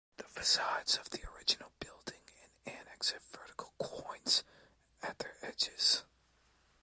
The facades of the original building and annex have vertical quoins at their edges.